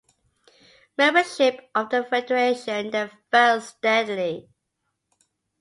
Membership of the federation then fell steadily.